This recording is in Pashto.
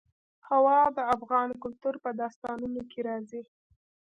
هوا د افغان کلتور په داستانونو کې راځي.